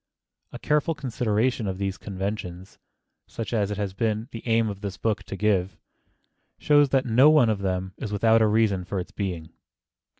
A careful consideration of these conventions, such as it has been the aim of this book to give, shows that no one of them is without a reason for its being.